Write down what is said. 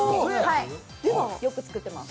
よく作ってます。